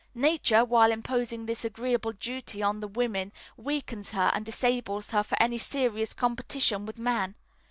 Nature, while imposing this agreeable duty on the woman, weakens her and disables her for any serious competition with man.